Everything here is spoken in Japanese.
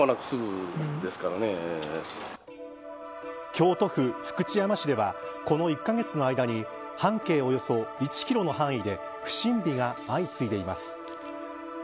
京都府福知山市ではこの１カ月の間に半径およそ１キロの範囲で不審火が相次いでいます。